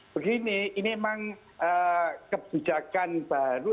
begini ini memang kebijakan baru